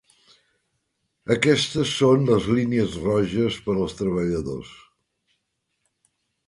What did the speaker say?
Aquestes són línies roges per als treballadors.